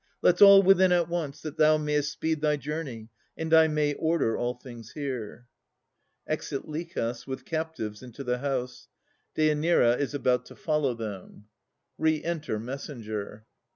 Let's all within at once, that thou mayest speed Thy journey, and I may order all things here. [Exit LICHAS, with Captives, into the house. DÊANIRA is about to follow them Re enter Messenger.